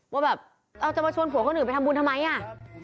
ว่าแบบเอาจะมาชวนผัวคนอื่นไปทำบุญทำไมอ่ะ